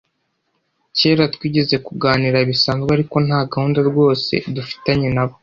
Kera twigeze kuganira bisanzwe ariko nta gahunda rwose dufitanye nabo